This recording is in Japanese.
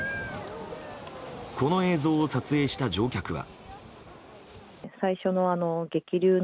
この映像を撮影した乗客は。